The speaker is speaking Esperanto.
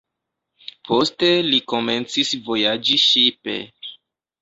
Poste li komencis vojaĝi ŝipe.